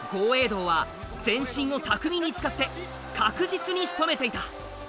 道は全身を巧みに使って確実にしとめていた。